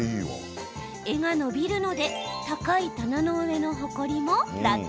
柄が伸びるので高い棚の上のほこりも、楽々。